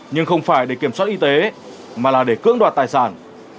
nhưng không phải để kiểm soát y tế mà là để cưỡng đoạt tài sản